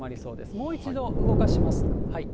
もう一度動かします。